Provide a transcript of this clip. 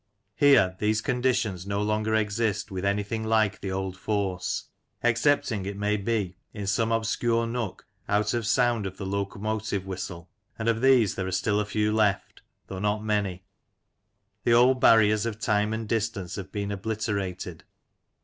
Here, these conditions no longer exist with anything like the old force, excepting, it may be, in some obscure nook out of sound of the locomotive whistle, and of these there are still a few left, though not many. The old barriers of time and distance have been obliterated.